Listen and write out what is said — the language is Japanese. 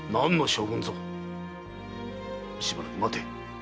しばらく待て。